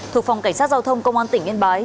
thuộc phòng cảnh sát giao thông công an tỉnh yên bái